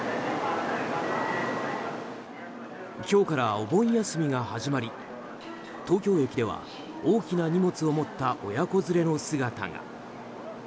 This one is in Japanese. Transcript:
今日からお盆休みが始まり東京駅では大きな荷物を持った親子連れの姿が。